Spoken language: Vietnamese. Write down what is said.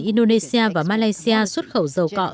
indonesia và malaysia xuất khẩu dầu cọ